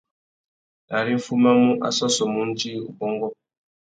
Ari nʼfumamú, a sôssômú undjï, ubôngô.